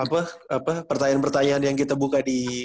apa pertanyaan pertanyaan yang kita buka di